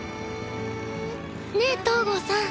ねえ東郷さん。